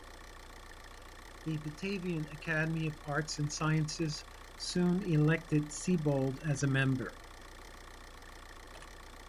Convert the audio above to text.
The Batavian Academy of Arts and Sciences soon elected Siebold as a member.